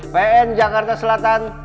pn jakarta selatan